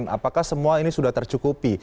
apakah semua ini sudah tercukupi